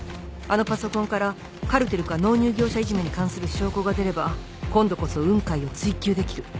あのパソコンからカルテルか納入業者いじめに関する証拠が出れば今度こそ雲海を追及できる。